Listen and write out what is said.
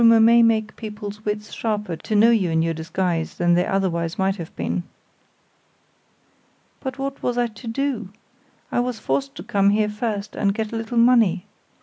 The rumor may make people's wits sharper to know you in your disguise, than they otherwise might have been." "But what was I to do? I was forced to come here first and get a little money.